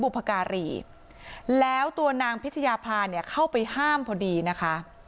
พการีแล้วตัวนางพิชยาภาเนี่ยเข้าไปห้ามพอดีนะคะ